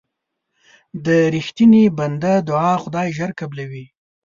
د رښتیني بنده دعا خدای ژر قبلوي.